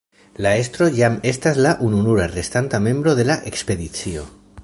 La estro jam estas la ununura restanta membro de la ekspedicio.